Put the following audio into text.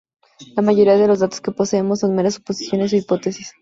La mayoría de los datos que poseemos son meras suposiciones o hipótesis.